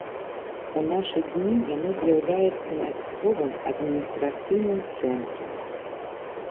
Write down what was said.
У нашы дні яно з'яўляецца мясцовым адміністрацыйным цэнтрам.